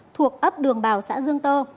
thuộc ấp đường bào xã dương tơ